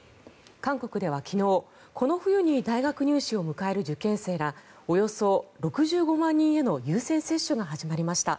韓国では昨日、この冬に大学入試を迎える受験生らおよそ６５万人への優先接種が始まりました。